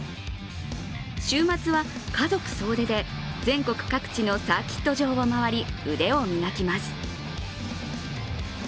週末は家族総出で全国各地のサーキット場を回り腕を磨きます。